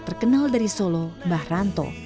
terkenal dari solo mbah ranto